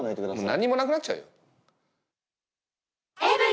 何もなくなっちゃうよ？